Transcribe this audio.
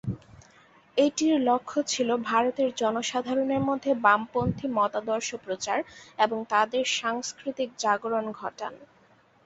এটির লক্ষ্য ছিল ভারতের জনসাধারণের মধ্যে বামপন্থী মতাদর্শ প্রচার এবং তাদের সাংস্কৃতিক জাগরণ ঘটান।